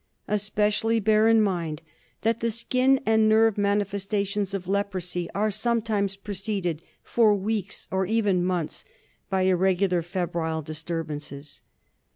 Especially bear in mind that the skin and nerve manifestations of Leprosy are sometimes preceded for weeks or even months by irregular febrile disturb ances.